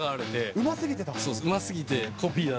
うますぎてだ。